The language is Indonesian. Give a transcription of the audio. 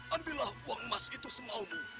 ambillah uang emas itu semaumu